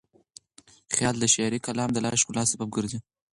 خیال د شعري کلام د لا ښکلا سبب ګرځي.